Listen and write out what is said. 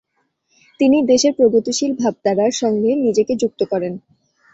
তিনি দেশের প্রগতিশীল ভাবধারার সঙ্গে নিজেকে যুক্ত করেন।